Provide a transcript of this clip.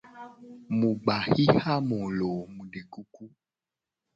Mu gba xixa mu lo o mu de kuku.